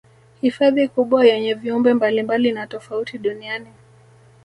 Hifadhi kubwa yenye viumbe mbalimbali na tofauti duniani